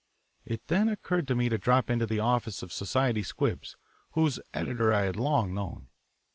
It then occurred to me to drop into the office of Society Squibs, whose editor I had long known.